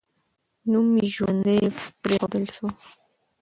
نوم یې ژوندی پرېښودل سو.